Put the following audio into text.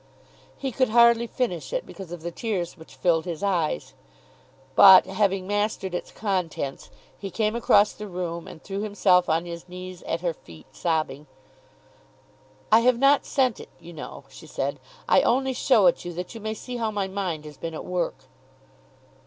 He could hardly finish it, because of the tears which filled his eyes. But, having mastered its contents, he came across the room and threw himself on his knees at her feet, sobbing. "I have not sent it, you know," she said. "I only show it you that you may see how my mind has been at work."